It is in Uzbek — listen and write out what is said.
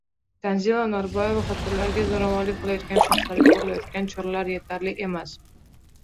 Tanzila Norboyeva: Xotinlariga zo‘ravonlik qilayotgan shaxslarga ko‘rilayotgan choralar yetarli emas